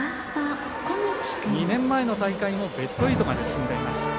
２年前の大会もベスト８まで進んでいます。